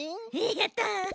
やった！